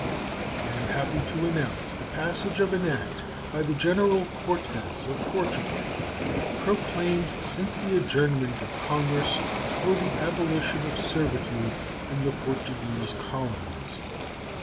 I am happy to announce the passage of an act by the General Cortes of Portugal, proclaimed since the adjournment of Congress, for the abolition of servitude in the Portuguese colonies.